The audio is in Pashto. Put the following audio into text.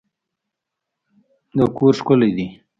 دا کور ښکلی دی.